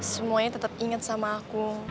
semuanya tetap inget sama aku